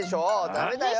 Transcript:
ダメだよ。